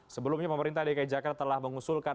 sebelumnya pemerintah dki jakarta telah mengusulkan